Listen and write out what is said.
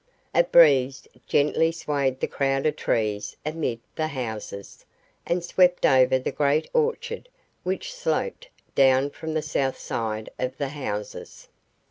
A breeze gently swayed the crowd of trees amid the houses, and swept over the great orchard which sloped down from the south side of the houses.